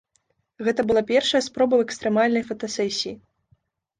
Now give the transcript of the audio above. Гэта была першая спроба экстрэмальнай фотасесіі.